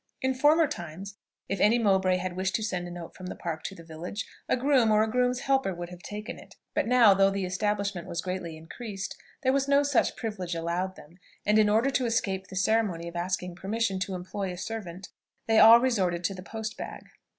In former times, if any Mowbray had wished to send a note from the Park to the village, a groom or a groom's helper would have taken it: but now, though the establishment was greatly increased, there was no such privilege allowed them; and in order to escape the ceremony of asking permission to employ a servant, they all resorted to the post bag.